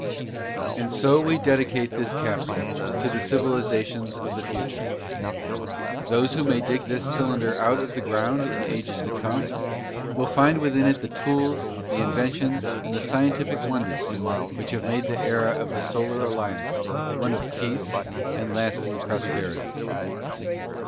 And so we dedicate this capsule to the civilizations of the future. Those who may dig this cylinder out of the ground in ages to come will find within it the tools, the inventions, and the scientific wonders which have made the era of the Solar Alliance one of peace and lasting prosperity."